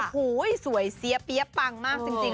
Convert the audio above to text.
ถู้ยสวยเซี๊ยเปรี้ยะปังมากจริง